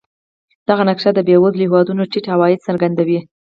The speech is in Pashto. دغه نقشه د بېوزلو هېوادونو ټیټ عواید څرګندوي.